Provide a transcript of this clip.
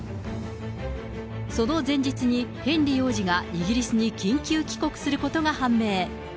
その前日に、ヘンリー王子がイギリスに緊急帰国することが判明。